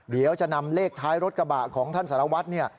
เดี๋ยวจะนำเลขท้ายรถกระบะของท่านสารวัตรเนี่ย